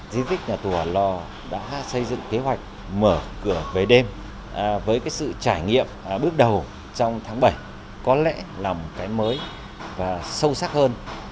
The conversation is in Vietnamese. di tích nhà tù hòa lò đã xây dựng kế hoạch mở cửa về đêm với sự trải nghiệm bước đầu trong tháng bảy có lẽ là một cái mới và sâu sắc hơn